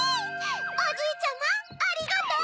おじいちゃまありがとう！